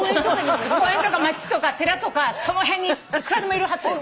公園とか街とか寺とかその辺にいくらでもいるハトよ。